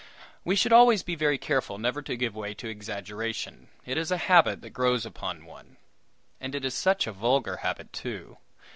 We should always be very careful never to give way to exaggeration; it is a habit that grows upon one. And it is such a vulgar habit, too.